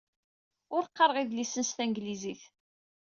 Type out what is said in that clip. Ur qqareɣ idlisen s tanglizit.